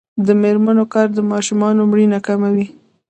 د میرمنو کار د ماشومانو مړینه کموي.